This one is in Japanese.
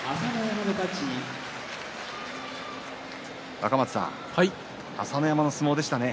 若松さん、朝乃山の相撲でしたね。